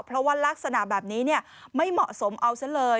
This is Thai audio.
เพราะว่ารักษณะแบบนี้ไม่เหมาะสมเอาซะเลย